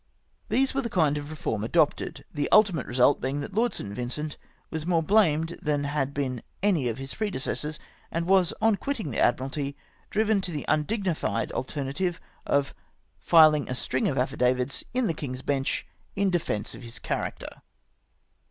These were the kinds of reform adopted, the ultimate result being that Lord St. Vincent was more blamed than had been any of his predecessors, and was, on quitting the Admiralty, driven to the undignified alter native ofJili?ig a string of affidavits in the King's Bench in defence of his character